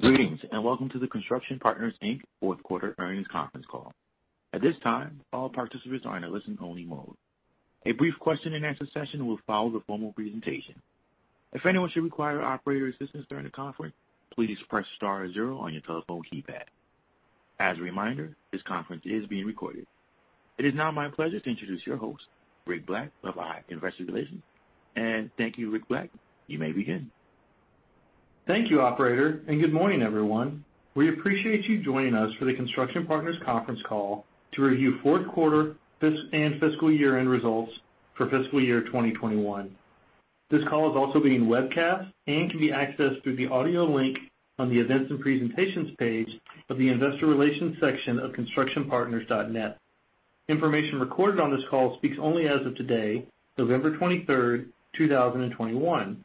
Greetings, and welcome to the Construction Partners, Inc. Q4 earnings conference call. At this time, all participants are in a listen-only mode. A brief question-and-answer session will follow the formal presentation. If anyone should require operator assistance during the conference, please press star zero on your telephone keypad. As a reminder, this conference is being recorded. It is now my pleasure to introduce your host, Rick Black of IR Investor Relations. Thank you, Rick Black. You may begin. Thank you, operator, and good morning, everyone. We appreciate you joining us for the Construction Partners conference call to review fourth quarter fiscal year-end results for fiscal year 2021. This call is also being webcast and can be accessed through the audio link on the Events and Presentations page of the Investor Relations section of constructionpartners.net. Information recorded on this call speaks only as of today, November 23, 2021.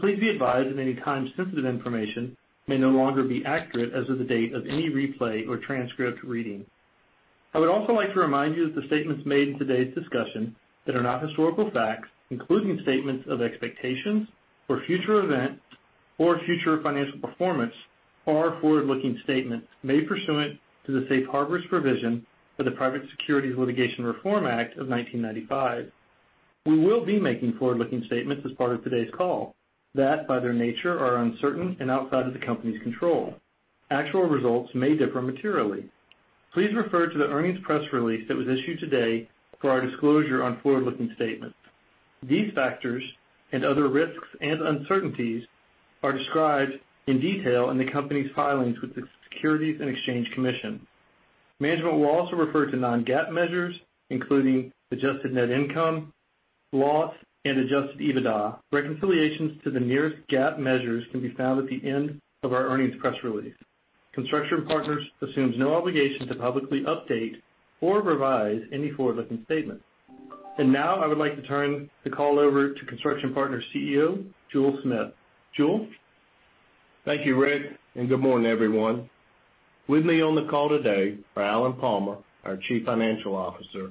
Please be advised that any time-sensitive information may no longer be accurate as of the date of any replay or transcript reading. I would also like to remind you that the statements made in today's discussion that are not historical facts, including statements of expectations or future events or future financial performance, are forward-looking statements made pursuant to the safe harbors provision of the Private Securities Litigation Reform Act of 1995. We will be making forward-looking statements as part of today's call that, by their nature, are uncertain and outside of the company's control. Actual results may differ materially. Please refer to the earnings press release that was issued today for our disclosure on forward-looking statements. These factors and other risks and uncertainties are described in detail in the company's filings with the Securities and Exchange Commission. Management will also refer to non-GAAP measures, including adjusted net income, loss, and adjusted EBITDA. Reconciliations to the nearest GAAP measures can be found at the end of our earnings press release. Construction Partners assumes no obligation to publicly update or revise any forward-looking statements. Now I would like to turn the call over to Construction Partners' CEO, Jule Smith. Jule? Thank you, Rick, and good morning, everyone. With me on the call today are Alan Palmer, our Chief Financial Officer,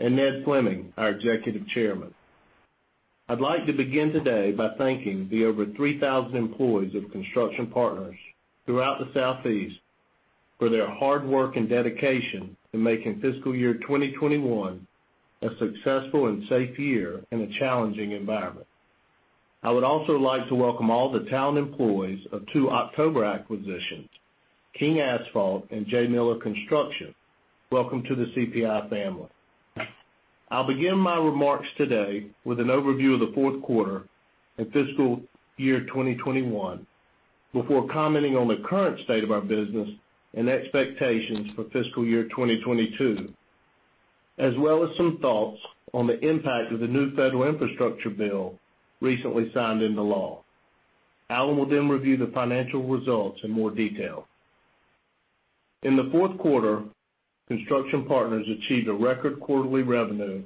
and Ned Fleming, our Executive Chairman. I'd like to begin today by thanking the over 3,000 employees of Construction Partners throughout the Southeast for their hard work and dedication in making fiscal year 2021 a successful and safe year in a challenging environment. I would also like to welcome all the talented employees of two October acquisitions, King Asphalt and J. Miller Construction, Inc. Welcome to the CPI family. I'll begin my remarks today with an overview of the fourth quarter and fiscal year 2021 before commenting on the current state of our business and expectations for fiscal year 2022, as well as some thoughts on the impact of the new federal infrastructure bill recently signed into law. Alan will then review the financial results in more detail. In the Q4, Construction Partners achieved a record quarterly revenue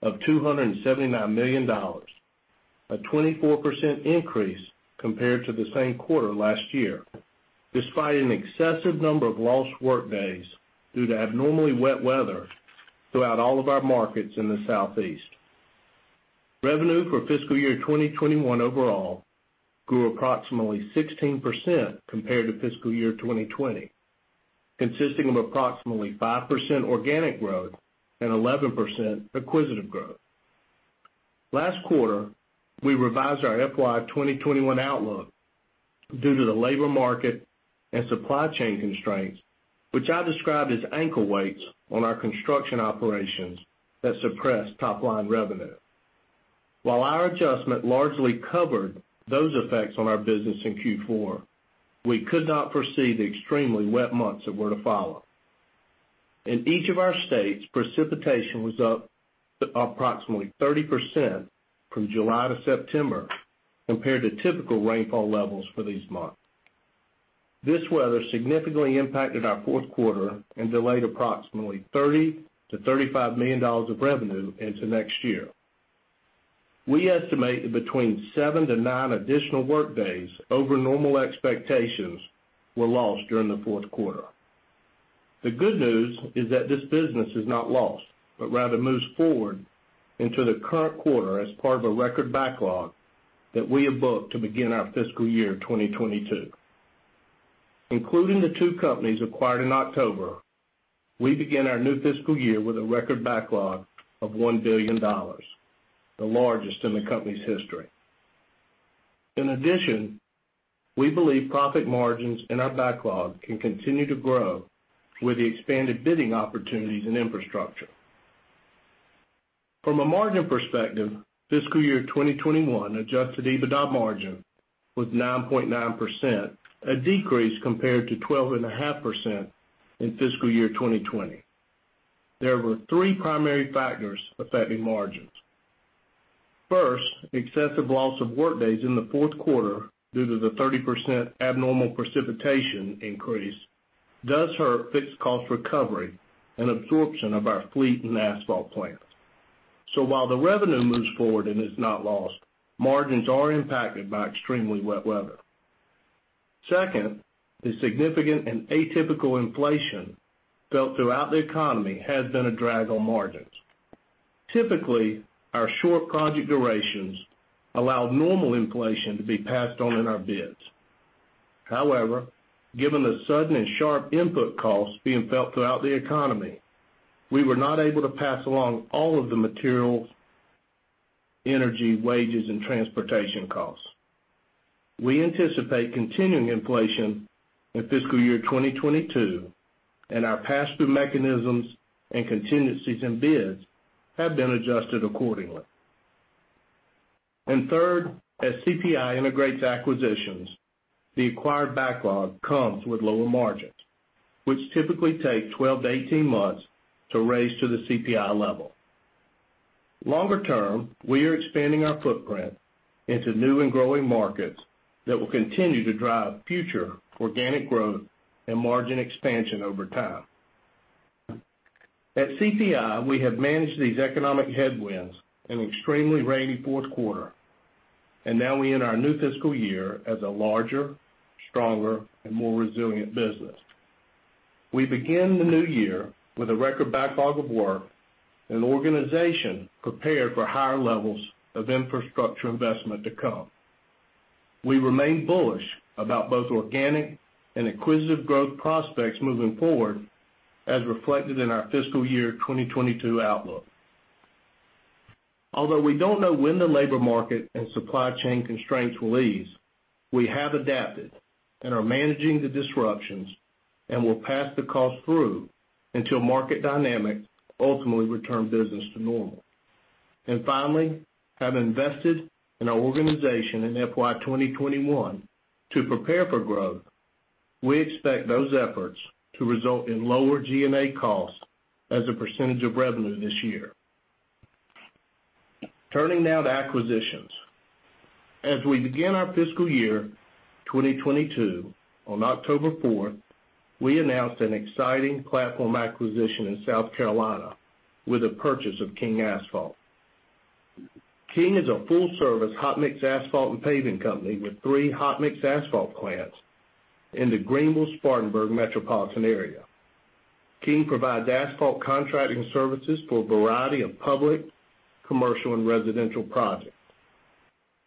of $279 million, a 24% increase compared to the same quarter last year, despite an excessive number of lost workdays due to abnormally wet weather throughout all of our markets in the Southeast. Revenue for fiscal year 2021 overall grew approximately 16% compared to fiscal year 2020, consisting of approximately 5% organic growth and 11% acquisitive growth. Last quarter, we revised our FY 2021 outlook due to the labor market and supply chain constraints, which I described as ankle weights on our construction operations that suppress top-line revenue. While our adjustment largely covered those effects on our business in Q4, we could not foresee the extremely wet months that were to follow. In each of our states, precipitation was up approximately 30% from July to September compared to typical rainfall levels for these months. This weather significantly impacted our Q4 and delayed approximately $30 million-$35 million of revenue into next year. We estimate that between seven-nine additional workdays over normal expectations were lost during the Q4. The good news is that this business is not lost, but rather moves forward into the current quarter as part of a record backlog that we have booked to begin our fiscal year 2022. Including the two companies acquired in October, we begin our new fiscal year with a record backlog of $1 billion, the largest in the company's history. In addition, we believe profit margins in our backlog can continue to grow with the expanded bidding opportunities in infrastructure. From a margin perspective, fiscal year 2021 adjusted EBITDA margin was 9.9%, a decrease compared to 12.5% in fiscal year 2020. There were three primary factors affecting margins. First, excessive loss of workdays in the fourth quarter due to the 30% abnormal precipitation increase does hurt fixed cost recovery and absorption of our fleet and asphalt plants. While the revenue moves forward and is not lost, margins are impacted by extremely wet weather. Second, the significant and atypical inflation felt throughout the economy has been a drag on margins. Typically, our short project durations allow normal inflation to be passed on in our bids. However, given the sudden and sharp input costs being felt throughout the economy, we were not able to pass along all of the materials, energy, wages, and transportation costs. We anticipate continuing inflation in fiscal year 2022, and our pass-through mechanisms and contingencies in bids have been adjusted accordingly. Third, as CPI integrates acquisitions, the acquired backlog comes with lower margins, which typically take 12-18 months to raise to the CPI level. Longer term, we are expanding our footprint into new and growing markets that will continue to drive future organic growth and margin expansion over time. At CPI, we have managed these economic headwinds in an extremely rainy fourth quarter, and now we end our new fiscal year as a larger, stronger, and more resilient business. We begin the new year with a record backlog of work and an organization prepared for higher levels of infrastructure investment to come. We remain bullish about both organic and acquisitive growth prospects moving forward, as reflected in our fiscal year 2022 outlook. Although we don't know when the labor market and supply chain constraints will ease, we have adapted and are managing the disruptions and will pass the cost through until market dynamics ultimately return business to normal. Finally, we have invested in our organization in FY 2021 to prepare for growth. We expect those efforts to result in lower G&A costs as a percentage of revenue this year. Turning now to acquisitions. As we begin our fiscal year 2022, on October 4, we announced an exciting platform acquisition in South Carolina with the purchase of King Asphalt. King is a full-service hot mix asphalt and paving company with three hot mix asphalt plants in the Greenville-Spartanburg metropolitan area. King provides asphalt contracting services for a variety of public, commercial, and residential projects.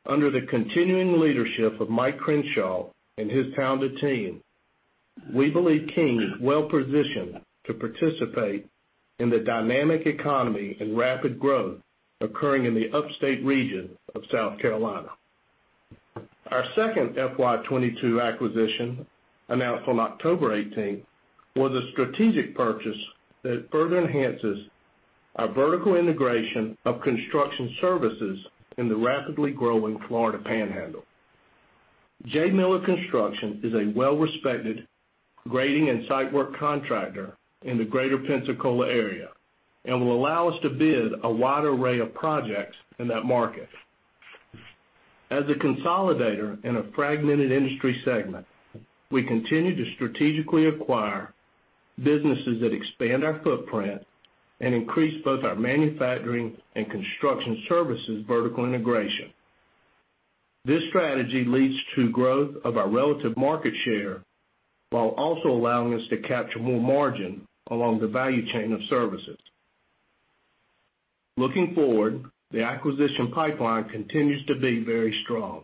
Under the continuing leadership of Mike Crenshaw and his talented team, we believe King is well-positioned to participate in the dynamic economy and rapid growth occurring in the upstate region of South Carolina. Our second FY 2022 acquisition, announced on October 18th, was a strategic purchase that further enhances our vertical integration of construction services in the rapidly growing Florida Panhandle. J. Miller Construction is a well-respected grading and site work contractor in the greater Pensacola area and will allow us to bid a wide array of projects in that market. As a consolidator in a fragmented industry segment, we continue to strategically acquire businesses that expand our footprint and increase both our manufacturing and construction services' vertical integration. This strategy leads to growth of our relative market share while also allowing us to capture more margin along the value chain of services. Looking forward, the acquisition pipeline continues to be very strong.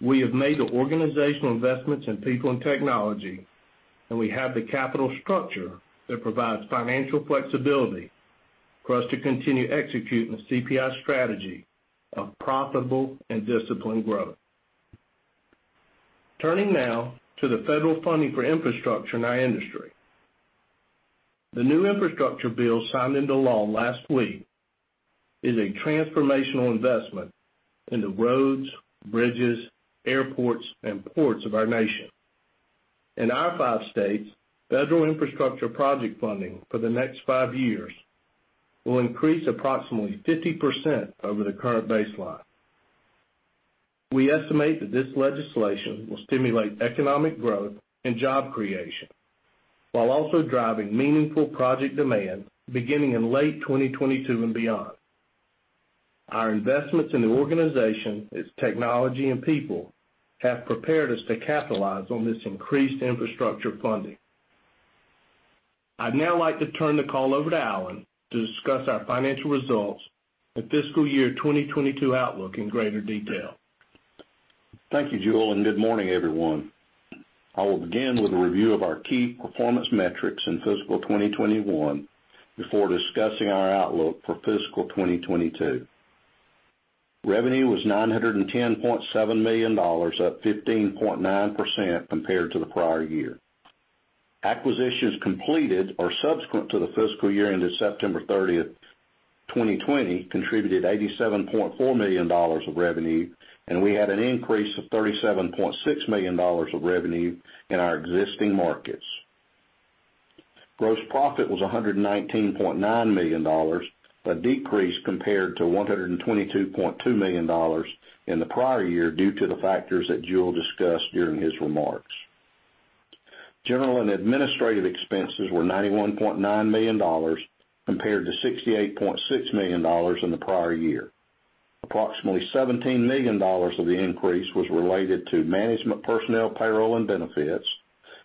We have made the organizational investments in people and technology, and we have the capital structure that provides financial flexibility for us to continue executing the CPI strategy of profitable and disciplined growth. Turning now to the federal funding for infrastructure in our industry. The new infrastructure bill signed into law last week is a transformational investment into roads, bridges, airports, and ports of our nation. In our 5 states, federal infrastructure project funding for the next 5 years will increase approximately 50% over the current baseline. We estimate that this legislation will stimulate economic growth and job creation while also driving meaningful project demand beginning in late 2022 and beyond. Our investments in the organization, its technology, and people have prepared us to capitalize on this increased infrastructure funding. I'd now like to turn the call over to Alan to discuss our financial results and fiscal year 2022 outlook in greater detail. Thank you, Jule, and good morning, everyone. I will begin with a review of our key performance metrics in fiscal 2021 before discussing our outlook for fiscal 2022. Revenue was $910.7 million, up 15.9% compared to the prior year. Acquisitions completed or subsequent to the fiscal year ended September 30, 2020, contributed $87.4 million of revenue, and we had an increase of $37.6 million of revenue in our existing markets. Gross profit was $119.9 million, a decrease compared to $122.2 million in the prior year due to the factors that Jule discussed during his remarks. General and administrative expenses were $91.9 million compared to $68.6 million in the prior year. Approximately $17 million of the increase was related to management personnel payroll and benefits,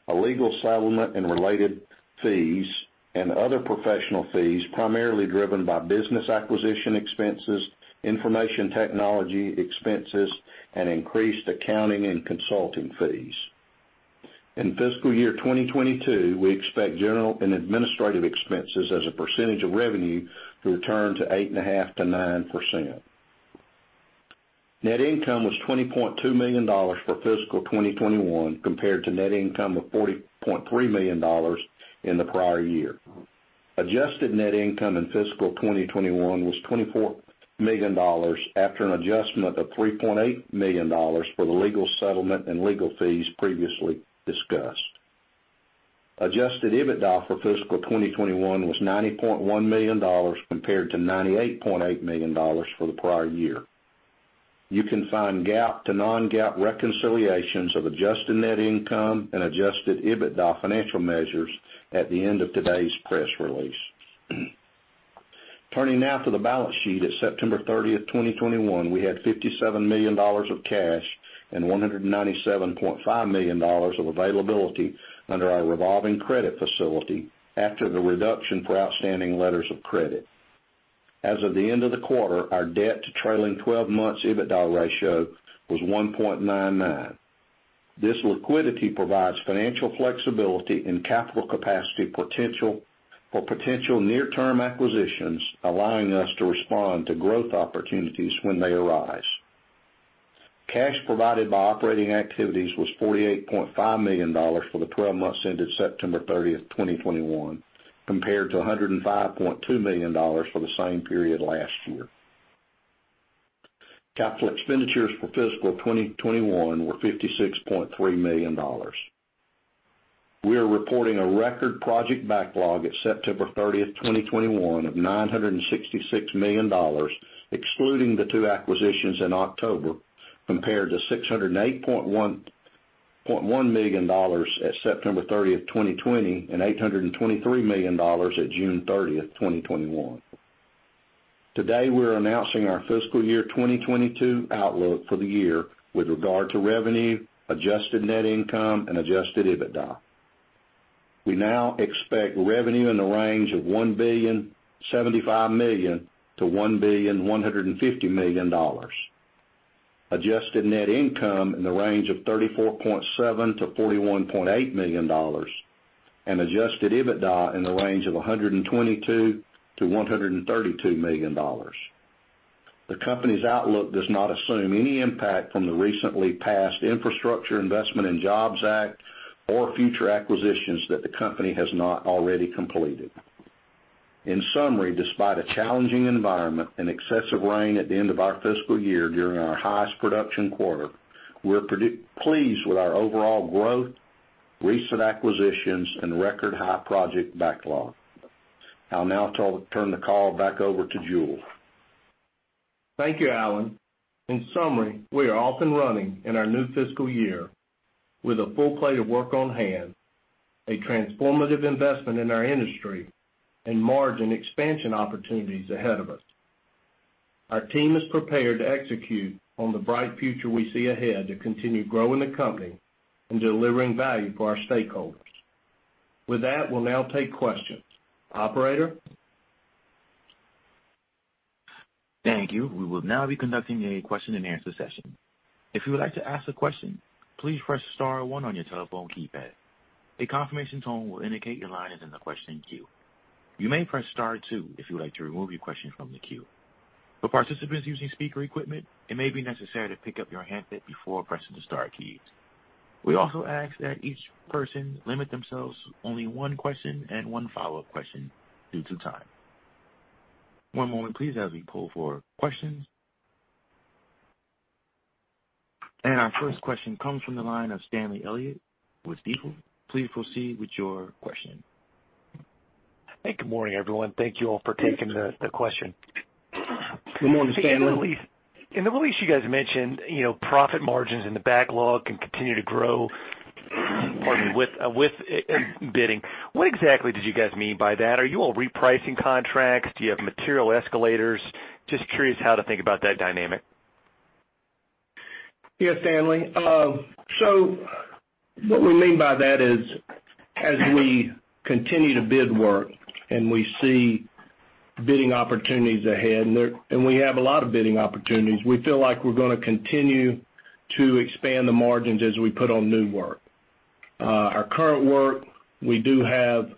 a legal settlement and related fees, and other professional fees primarily driven by business acquisition expenses, information technology expenses, and increased accounting and consulting fees. In fiscal year 2022, we expect general and administrative expenses as a percentage of revenue to return to 8.5%-9%. Net income was $20.2 million for fiscal 2021 compared to net income of $40.3 million in the prior year. Adjusted net income in fiscal 2021 was $24 million after an adjustment of $3.8 million for the legal settlement and legal fees previously discussed. Adjusted EBITDA for fiscal 2021 was $90.1 million compared to $98.8 million for the prior year. You can find GAAP to non-GAAP reconciliations of adjusted net income and adjusted EBITDA financial measures at the end of today's press release. Turning now to the balance sheet. At September 30, 2021, we had $57 million of cash and $197.5 million of availability under our revolving credit facility after the reduction for outstanding letters of credit. As of the end of the quarter, our debt to trailing 12 months EBITDA ratio was 1.99. This liquidity provides financial flexibility and capital capacity potential for potential near-term acquisitions, allowing us to respond to growth opportunities when they arise. Cash provided by operating activities was $48.5 million for the 12 months ended September 30, 2021, compared to $105.2 million for the same period last year. Capital expenditures for fiscal 2021 were $56.3 million. We are reporting a record project backlog at September 30, 2021 of $966 million, excluding the two acquisitions in October, compared to $608.1 million at September 30, 2020, and $823 million at June 30, 2021. Today, we're announcing our fiscal year 2022 outlook for the year with regard to revenue, adjusted net income, and adjusted EBITDA. We now expect revenue in the range of $1.075 billion-$1.15 billion. Adjusted net income in the range of $34.7-$41.8 million, and adjusted EBITDA in the range of $122-$132 million. The company's outlook does not assume any impact from the recently passed Infrastructure Investment and Jobs Act or future acquisitions that the company has not already completed. In summary, despite a challenging environment and excessive rain at the end of our fiscal year during our highest production quarter, we're pleased with our overall growth, recent acquisitions, and record high project backlog. I'll now turn the call back over to Jule. Thank you, Alan. In summary, we are off and running in our new fiscal year with a full plate of work on hand, a transformative investment in our industry, and margin expansion opportunities ahead of us. Our team is prepared to execute on the bright future we see ahead to continue growing the company and delivering value for our stakeholders. With that, we'll now take questions. Operator? Thank you. We will now be conducting a question-and-answer session. If you would like to ask a question, please press star one on your telephone keypad. A confirmation tone will indicate your line is in the question queue. You may press star two if you would like to remove your question from the queue. For participants using speaker equipment, it may be necessary to pick up your handset before pressing the star keys. We also ask that each person limit themselves only one question and one follow-up question due to time. One moment please, as we poll for questions. Our first question comes from the line of Stanley Elliott with B. Riley. Please proceed with your question. Hey, good morning, everyone. Thank you all for taking the question. Good morning, Stanley. In the release you guys mentioned, you know, profit margins in the backlog can continue to grow, pardon me, with bidding. What exactly did you guys mean by that? Are you all repricing contracts? Do you have material escalators? Just curious how to think about that dynamic. Yes, Stanley. What we mean by that is as we continue to bid work and we see bidding opportunities ahead, we have a lot of bidding opportunities. We feel like we're gonna continue to expand the margins as we put on new work. Our current work, we do have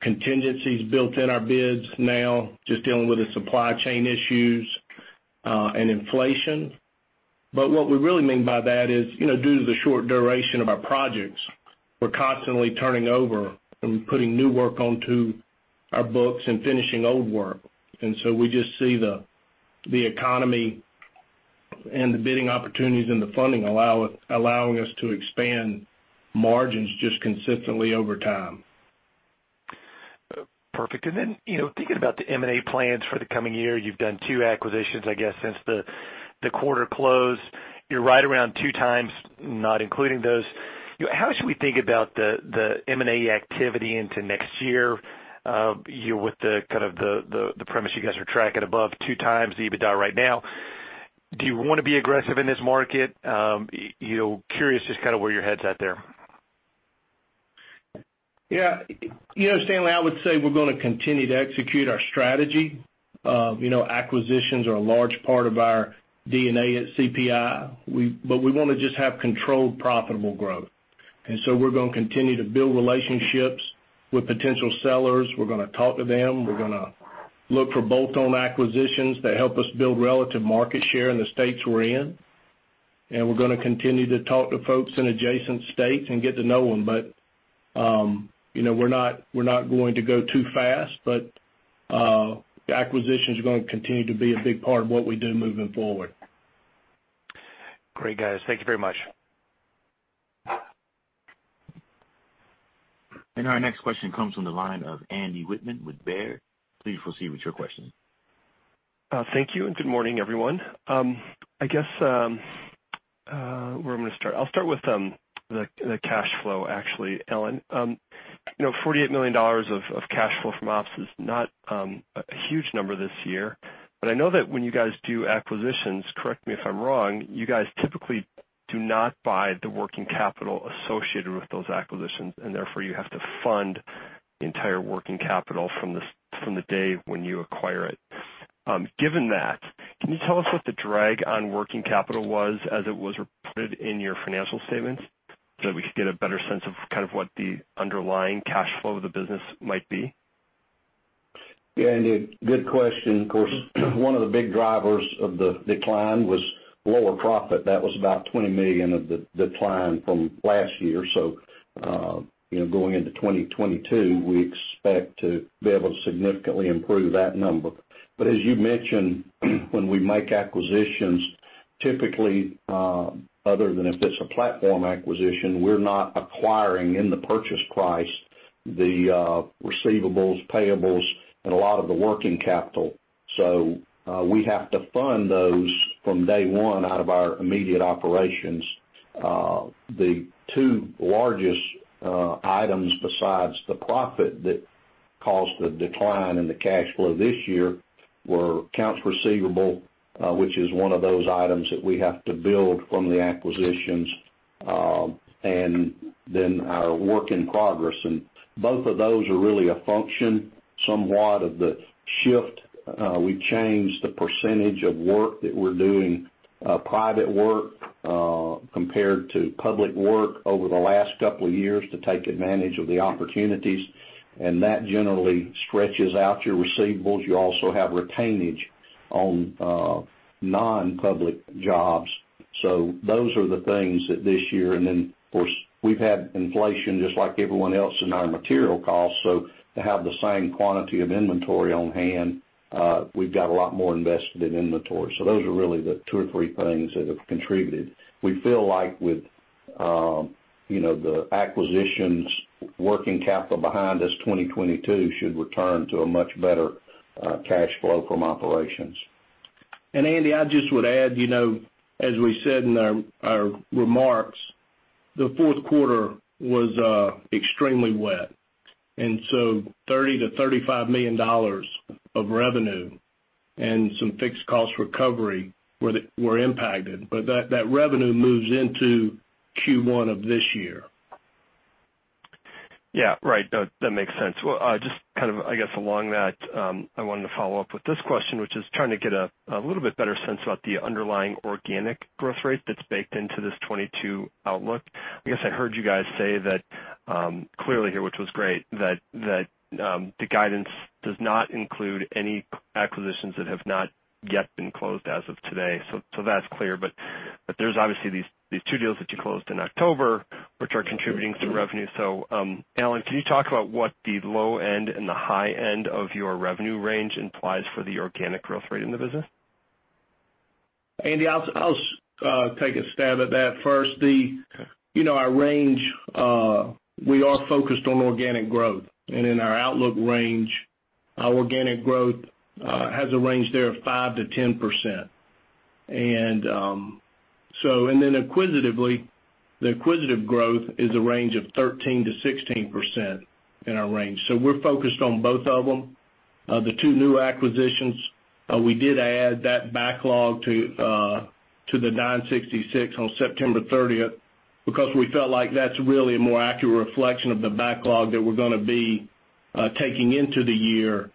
contingencies built in our bids now, just dealing with the supply chain issues, and inflation. What we really mean by that is, you know, due to the short duration of our projects, we're constantly turning over and putting new work onto our books and finishing old work. We just see the economy and the bidding opportunities and the funding allowing us to expand margins just consistently over time. Perfect. Then, you know, thinking about the M and A plans for the coming year, you've done two acquisitions, I guess, since the quarter closed. You're right around two times, not including those. How should we think about the M and A activity into next year, with the kind of the premise you guys are tracking above two times the EBITDA right now? Do you wanna be aggressive in this market? You know, curious just kind of where your head's at there. Yeah. You know, Stanley, I would say we're gonna continue to execute our strategy. You know, acquisitions are a large part of our DNA at CPI. We wanna just have controlled profitable growth. We're gonna continue to build relationships with potential sellers. We're gonna talk to them. We're gonna look for bolt-on acquisitions that help us build relative market share in the states we're in. We're gonna continue to talk to folks in adjacent states and get to know them. You know, we're not going to go too fast. The acquisitions are gonna continue to be a big part of what we do moving forward. Great, guys. Thank you very much. Our next question comes from the line of Andy Wittmann with Baird. Please proceed with your question. Thank you, and good morning, everyone. I guess where I'm gonna start. I'll start with the cash flow actually, Alan. You know, $48 million of cash flow from ops is not a huge number this year. I know that when you guys do acquisitions, correct me if I'm wrong, you guys typically do not buy the working capital associated with those acquisitions, and therefore, you have to fund the entire working capital from the day when you acquire it. Given that, can you tell us what the drag on working capital was as it was reported in your financial statements so that we could get a better sense of kind of what the underlying cash flow of the business might be? Yeah, Andy, good question. Of course, one of the big drivers of the decline was lower profit. That was about 20 million of the decline from last year. You know, going into 2022, we expect to be able to significantly improve that number. As you mentioned, when we make acquisitions, typically, other than if it's a platform acquisition, we're not acquiring in the purchase price the receivables, payables, and a lot of the working capital. We have to fund those from day one out of our immediate operations. The two largest items besides the profit that caused the decline in the cash flow this year were accounts receivable, which is one of those items that we have to build from the acquisitions, and then our work in progress. Both of those are really a function somewhat of the shift. We changed the percentage of work that we're doing, private work, compared to public work over the last couple of years to take advantage of the opportunities, and that generally stretches out your receivables. You also have retainage on non-public jobs. Those are the things that this year, of course, we've had inflation just like everyone else in our material costs. To have the same quantity of inventory on hand, we've got a lot more invested in inventory. Those are really the two or three things that have contributed. We feel like with you know the acquisitions working capital behind us, 2022 should return to a much better cash flow from operations. Andy, I just would add, you know, as we said in our remarks, the fourth quarter was extremely wet. $30 million-$35 million of revenue and some fixed cost recovery were impacted. That revenue moves into Q1 of this year. Yeah. Right. That makes sense. Well, just kind of, I guess, along that, I wanted to follow up with this question, which is trying to get a little bit better sense about the underlying organic growth rate that's baked into this 22 outlook. I guess I heard you guys say that, clearly here, which was great, that the guidance does not include any acquisitions that have not yet been closed as of today. So that's clear. But there's obviously these two deals that you closed in October which are contributing to revenue. So, Alan, can you talk about what the low end and the high end of your revenue range implies for the organic growth rate in the business? Andy, I'll take a stab at that first. You know, our range, we are focused on organic growth. In our outlook range, our organic growth has a range there of 5%-10%. And then acquisitively, the acquisitive growth is a range of 13%-16% in our range. We're focused on both of them. The two new acquisitions, we did add that backlog to the 966 million on September 30 because we felt like that's really a more accurate reflection of the backlog that we're gonna be taking into the year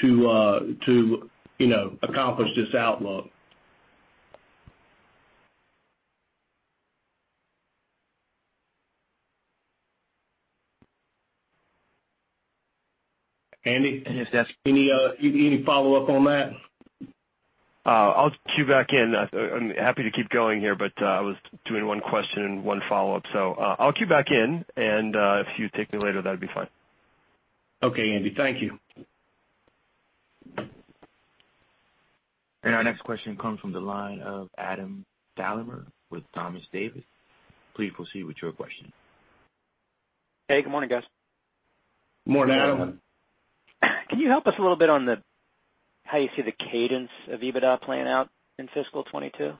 to you know, accomplish this outlook. Andy? Yes. Any follow-up on that? I'll queue back in. I'm happy to keep going here, but I was doing one question and one follow-up. I'll queue back in, and if you take me later, that'd be fine. Okay, Andy. Thank you. Our next question comes from the line of Adam Thalhimer with Thompson Davis. Please proceed with your question. Hey, good morning, guys. Morning, Adam. Can you help us a little bit on how you see the cadence of EBITDA playing out in fiscal 2022?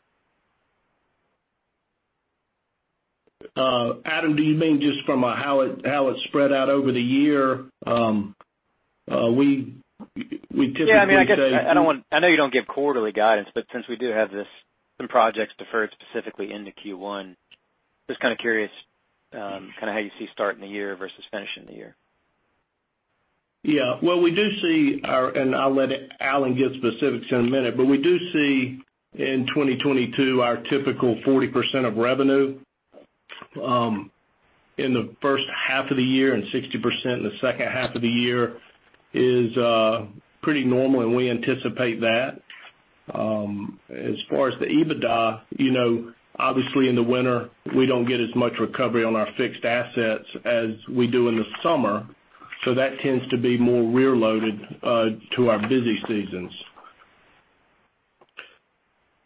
Adam, do you mean just from how it's spread out over the year? We typically say. Yeah, I mean, I guess I know you don't give quarterly guidance, but since we do have this, some projects deferred specifically into Q1, just kinda curious, kinda how you see starting the year versus finishing the year. Yeah. Well, I'll let Alan give specifics in a minute. We do see in 2022 our typical 40% of revenue in the first half of the year and 60% in the second half of the year is pretty normal, and we anticipate that. As far as the EBITDA, you know, obviously in the winter, we don't get as much recovery on our fixed assets as we do in the summer, so that tends to be more rear loaded to our busy seasons.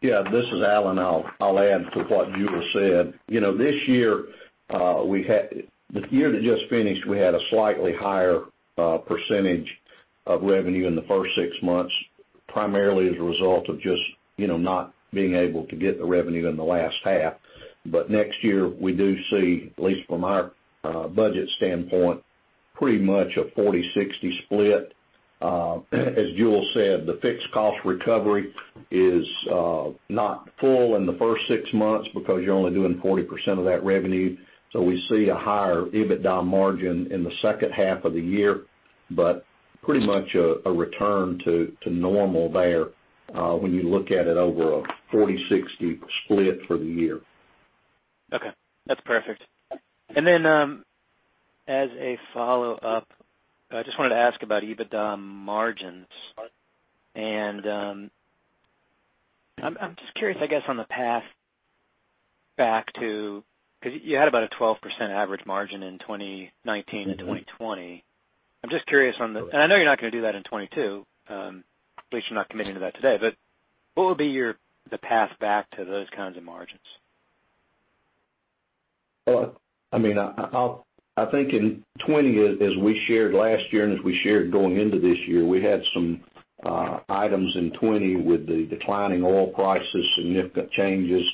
Yeah, this is Alan. I'll add to what Jule said. You know, this year, the year that just finished, we had a slightly higher percentage of revenue in the first six months, primarily as a result of just, you know, not being able to get the revenue in the last half. Next year, we do see, at least from our budget standpoint, pretty much a 40-60 split. As Jule said, the fixed cost recovery is not full in the first six months because you're only doing 40% of that revenue. We see a higher EBITDA margin in the second half of the year, but pretty much a return to normal there when you look at it over a 40-60 split for the year. Okay. That's perfect. As a follow-up, I just wanted to ask about EBITDA margins. I'm just curious, I guess, on the path back to 'cause you had about a 12% average margin in 2019 to 2020, and I know you're not gonna do that in 2022, at least you're not committing to that today, but what would be the path back to those kinds of margins? Well, I mean, I think in 2020, as we shared last year and as we shared going into this year, we had some items in 2020 with the declining oil prices, significant changes,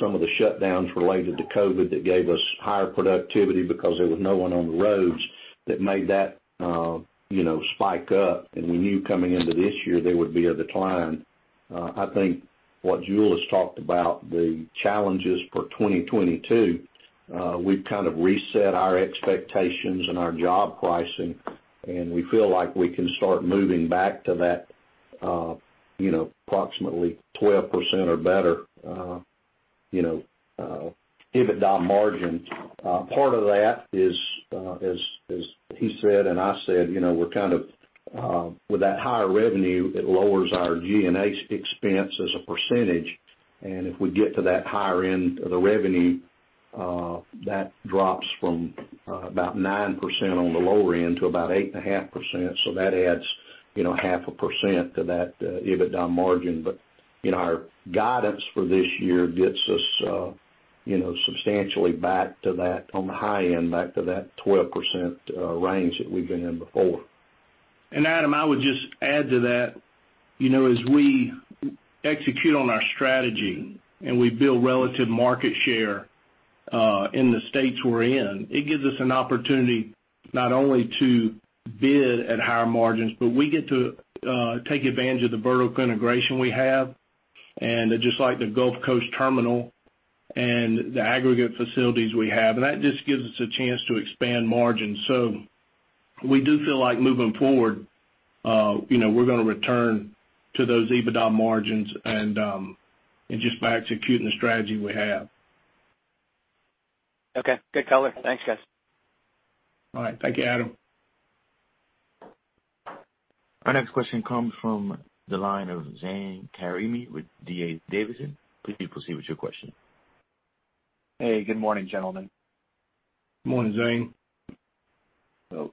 some of the shutdowns related to COVID that gave us higher productivity because there was no one on the roads that made that, you know, spike up. We knew coming into this year there would be a decline. I think what Jule has talked about, the challenges for 2022, we've kind of reset our expectations and our job pricing, and we feel like we can start moving back to that, you know, approximately 12% or better, you know, EBITDA margin. Part of that is, as he said, and I said, you know, we're kind of with that higher revenue, it lowers our G&A expense as a percentage. If we get to that higher end of the revenue, that drops from about 9% on the lower end to about 8.5%. That adds, you know, 0.5% to that EBITDA margin. You know, our guidance for this year gets us, you know, substantially back to that on the high end, back to that 12% range that we've been in before. Adam, I would just add to that. You know, as we execute on our strategy and we build relative market share in the states we're in, it gives us an opportunity not only to bid at higher margins, but we get to take advantage of the vertical integration we have. Just like the Gulf Coast terminal and the aggregate facilities we have, and that just gives us a chance to expand margins. We do feel like moving forward, you know, we're gonna return to those EBITDA margins and just by executing the strategy we have. Okay. Good color. Thanks, guys. All right. Thank you, Adam. Our next question comes from the line of Zane Karimi with D.A. Davidson. Please proceed with your question. Hey, good morning, gentlemen. Morning, Zane.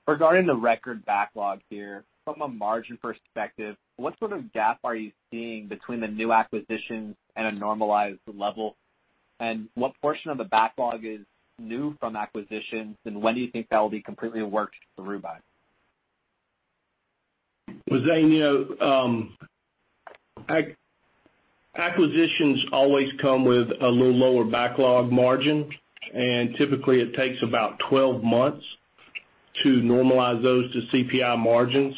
Regarding the record backlog here, from a margin perspective, what sort of gap are you seeing between the new acquisitions and a normalized level? And what portion of the backlog is new from acquisitions, and when do you think that will be completely worked through by? Well, Zane, you know, acquisitions always come with a little lower backlog margin, and typically it takes about 12 months to normalize those to CPI margins.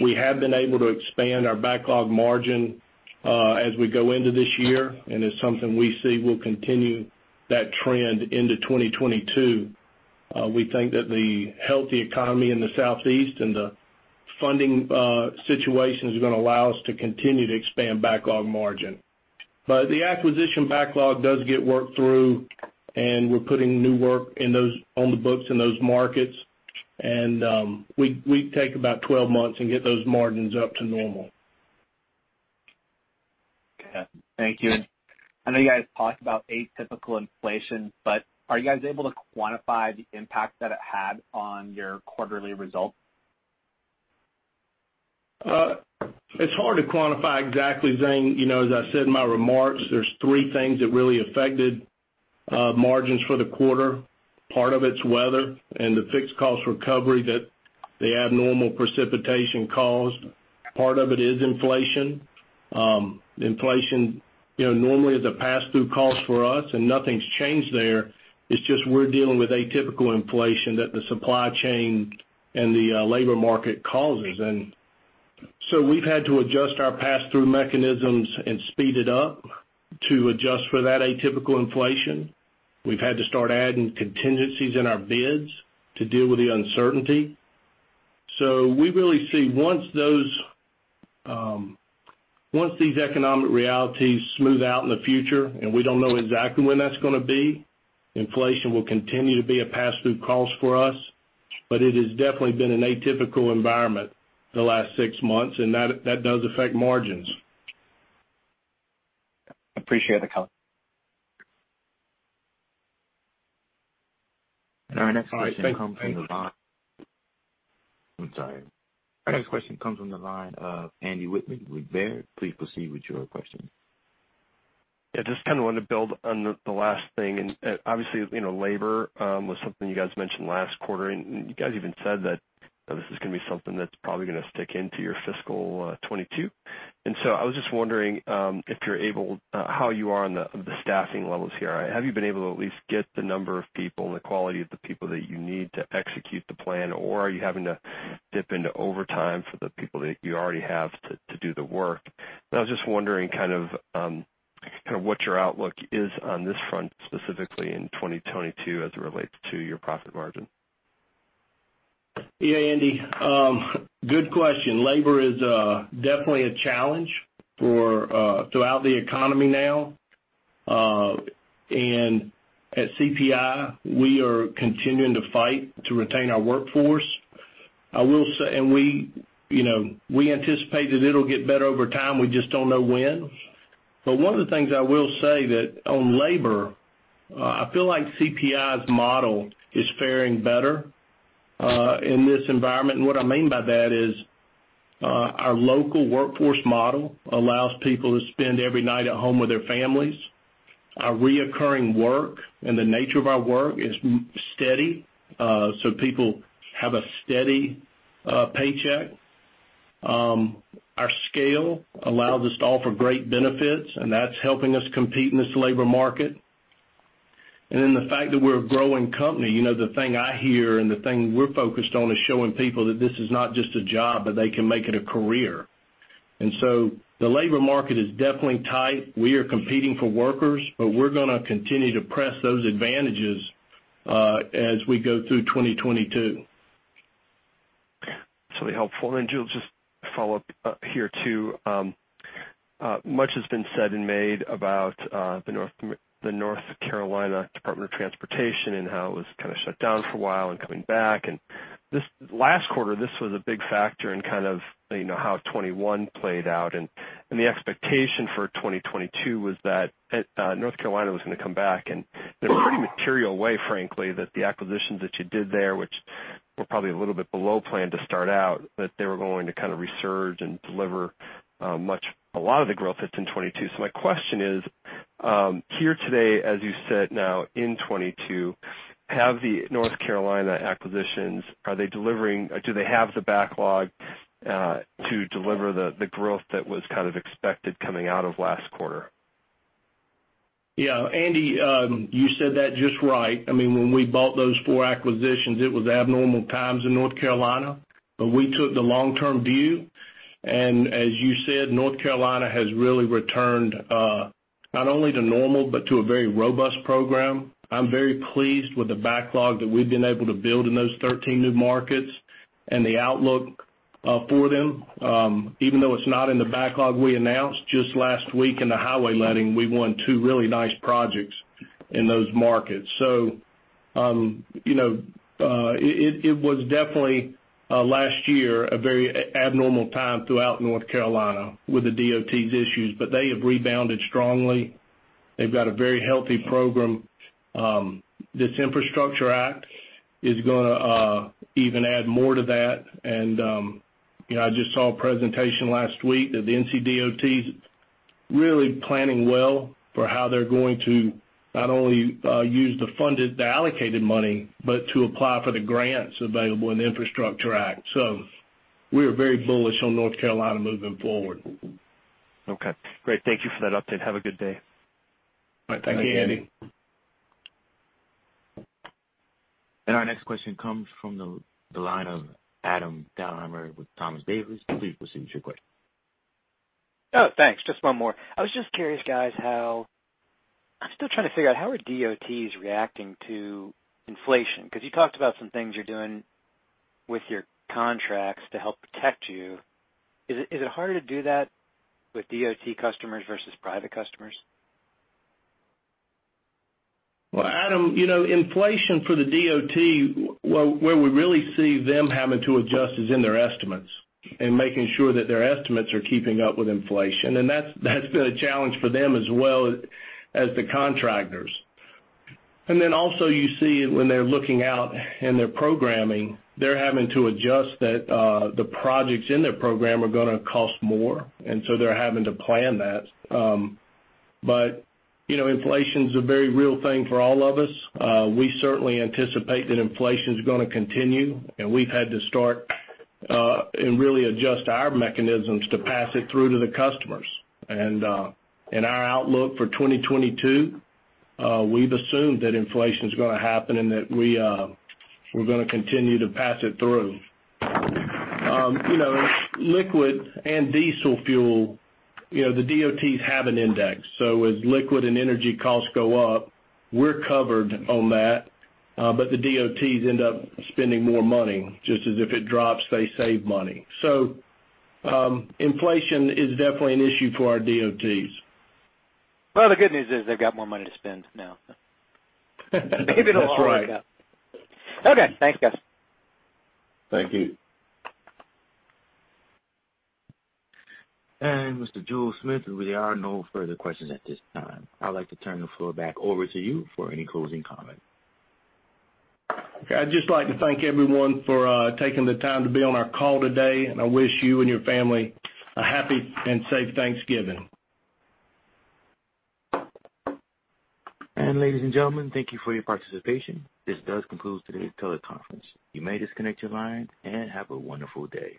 We have been able to expand our backlog margin as we go into this year, and it's something we see will continue that trend into 2022. We think that the healthy economy in the Southeast and the funding situation is gonna allow us to continue to expand backlog margin. The acquisition backlog does get worked through, and we're putting new work in those on the books in those markets, and we take about 12 months and get those margins up to normal. Okay. Thank you. I know you guys talked about atypical inflation, but are you guys able to quantify the impact that it had on your quarterly results? It's hard to quantify exactly, Zane. You know, as I said in my remarks, there's three things that really affected margins for the quarter. Part of it's weather and the fixed cost recovery that the abnormal precipitation caused. Part of it is inflation. Inflation, you know, normally is a pass-through cost for us and nothing's changed there. It's just we're dealing with atypical inflation that the supply chain and the labor market causes. We've had to adjust our pass-through mechanisms and speed it up to adjust for that atypical inflation. We've had to start adding contingencies in our bids to deal with the uncertainty. We really see once these economic realities smooth out in the future, and we don't know exactly when that's gonna be, inflation will continue to be a pass-through cost for us. It has definitely been an atypical environment the last six months, and that does affect margins. Appreciate the color. All right. Thank you. Our next question comes from the line of Andy Wittmann with Baird. Please proceed with your question. Yeah, just kinda wanted to build on the last thing and obviously, you know, labor was something you guys mentioned last quarter. You guys even said that this is gonna be something that's probably gonna stick into your fiscal 2022. I was just wondering if you're able how you are on the staffing levels here. Have you been able to at least get the number of people and the quality of the people that you need to execute the plan, or are you having to dip into overtime for the people that you already have to do the work? I was just wondering kind of what your outlook is on this front, specifically in 2022 as it relates to your profit margin. Yeah, Andy. Good question. Labor is definitely a challenge throughout the economy now. At CPI, we are continuing to fight to retain our workforce. I will say we anticipate that it'll get better over time. We just don't know when. One of the things I will say about labor, I feel like CPI's model is faring better in this environment. What I mean by that is our local workforce model allows people to spend every night at home with their families. Our recurring work and the nature of our work is steady, so people have a steady paycheck. Our scale allows us to offer great benefits, and that's helping us compete in this labor market. The fact that we're a growing company, you know, the thing I hear and the thing we're focused on is showing people that this is not just a job, but they can make it a career. The labor market is definitely tight. We are competing for workers, but we're gonna continue to press those advantages as we go through 2022. That's really helpful. Jule, just follow up here too. Much has been said and made about the North Carolina Department of Transportation and how it was kinda shut down for a while and coming back. Last quarter, this was a big factor in kind of, you know, how 2021 played out. The expectation for 2022 was that North Carolina was gonna come back in a pretty material way, frankly, that the acquisitions that you did there, which were probably a little bit below plan to start out, but they were going to kinda resurge and deliver much, a lot of the growth that's in 2022. My question is, here today, as you sit now in 2022, have the North Carolina acquisitions? Do they have the backlog to deliver the growth that was kind of expected coming out of last quarter? Yeah. Andy, you said that just right. I mean, when we bought those four acquisitions, it was abnormal times in North Carolina, but we took the long-term view. As you said, North Carolina has really returned, not only to normal, but to a very robust program. I'm very pleased with the backlog that we've been able to build in those 13 new markets and the outlook for them. Even though it's not in the backlog we announced just last week in the highway letting, we won two really nice projects in those markets. You know, it was definitely last year a very abnormal time throughout North Carolina with the DOT's issues, but they have rebounded strongly. They've got a very healthy program. This Infrastructure Act is gonna even add more to that. you know, I just saw a presentation last week that the NCDOT's really planning well for how they're going to not only use the funded, the allocated money, but to apply for the grants available in the Infrastructure Act. We are very bullish on North Carolina moving forward. Okay. Great. Thank you for that update. Have a good day. All right. Thank you, Andy. Our next question comes from the line of Adam Thalhimer with Thompson Davis. Please proceed with your question. Oh, thanks. Just one more. I was just curious, guys. I'm still trying to figure out how DOTs are reacting to inflation? 'Cause you talked about some things you're doing with your contracts to help protect you. Is it harder to do that with DOT customers versus private customers? Well, Adam, you know, inflation for the DOT, where we really see them having to adjust is in their estimates and making sure that their estimates are keeping up with inflation. That's been a challenge for them as well as the contractors. Also you see when they're looking out in their programming, they're having to adjust that, the projects in their program are gonna cost more, and so they're having to plan that. You know, inflation's a very real thing for all of us. We certainly anticipate that inflation's gonna continue, and we've had to start and really adjust our mechanisms to pass it through to the customers. Our outlook for 2022, we've assumed that inflation's gonna happen and that we're gonna continue to pass it through. You know, liquid and diesel fuel, you know, the DOTs have an index. As liquid and energy costs go up, we're covered on that, but the DOTs end up spending more money. Just as if it drops, they save money. Inflation is definitely an issue for our DOTs. Well, the good news is they've got more money to spend now. That's right. Maybe it'll all even out. Okay. Thanks, guys. Thank you. Mr. Jule Smith, there are no further questions at this time. I'd like to turn the floor back over to you for any closing comment. Okay. I'd just like to thank everyone for taking the time to be on our call today, and I wish you and your family a happy and safe Thanksgiving. Ladies and gentlemen, thank you for your participation. This does conclude today's teleconference. You may disconnect your line and have a wonderful day.